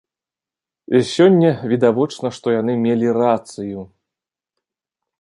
Сёння, відавочна, што яны мелі рацыю.